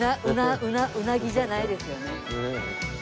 うなうなうなぎじゃないですよね。